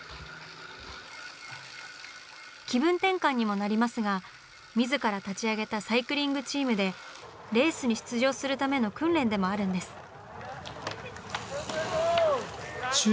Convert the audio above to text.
気分転換にもなりますが自ら立ち上げたサイクリングチームでレースに出場するための訓練でもあるんです。